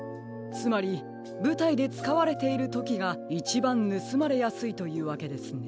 つまりぶたいでつかわれているときがいちばんぬすまれやすいというわけですね。